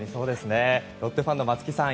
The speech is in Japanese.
ロッテファンの松木さん